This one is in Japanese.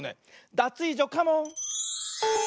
ダツイージョカモン！